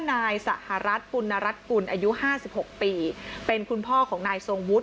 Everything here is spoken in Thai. นายสหรัฐปุณรัฐกุลอายุห้าสิบหกปีเป็นคุณพ่อของนายทรงวุฒิ